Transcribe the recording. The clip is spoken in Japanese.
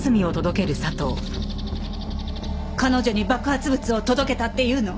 彼女に爆発物を届けたっていうの？